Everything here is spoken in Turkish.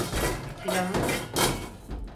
Silahın…